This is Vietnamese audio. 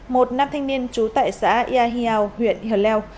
một nam thanh niên trú tại xã yà hà leo huyện yà leo